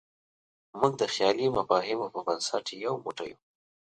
موږ د خیالي مفاهیمو په بنسټ یو موټی یو.